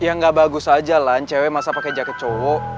ya ga bagus aja lan cewek masa pake jaket cowok